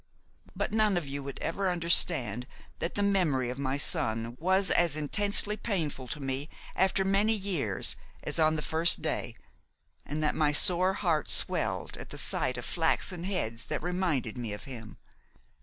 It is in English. But none of you would ever understand that the memory of my son was as intensely painful to me after many years as on the first day, and that my sore heart swelled at the sight of flaxen heads that reminded me of him.